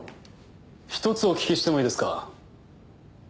一つお聞きしてもいいですか？